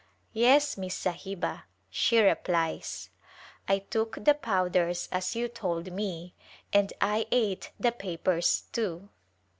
Yes, Miss Sahiba," she replies, " I took the powders as you told me, and I ate the papers too."